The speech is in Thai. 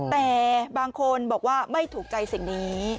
แต่บางคนบอกว่าไม่ถูกใจสิ่งนี้